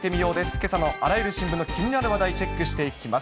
けさのあらゆる新聞の気になる話題、チェックしていきます。